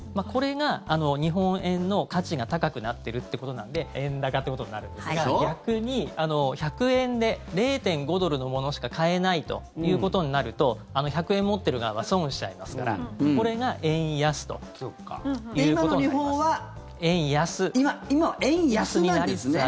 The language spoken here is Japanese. これが日本円の価値が高くなってるってことなので円高ってことになるんですが逆に１００円で０．５ドルのものしか買えないということになると１００円持ってる側は損をしちゃいますからこれが円安ということになります。